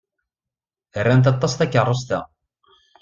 Rant aṭas takeṛṛust-a.